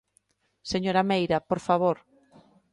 Señora Meira, por favor.